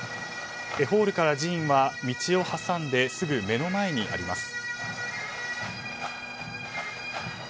ホールから寺院は、道を挟んですぐ目の前にあります。